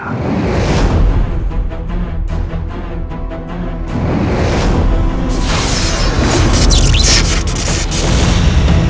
kau akan menang